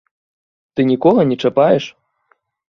Ты нікога не чапаеш?